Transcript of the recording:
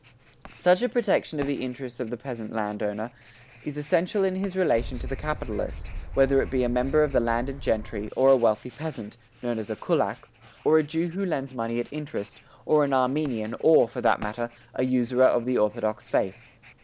Such a protection of the interests of the peasant landowner is essential in his relation to the capitalist, whether it be a member of the landed gentry or a wealthy peasant, known as a Kulak, or a Jew who lends money at interest, or an Armenian or, for that matter, a usurer of the Orthodox faith.